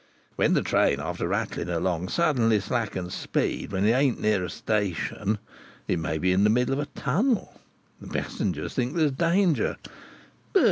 When the train, after rattling along, suddenly slackens speed when it ain't near a station, it may be in the middle of a tunnel, the passengers think there is danger.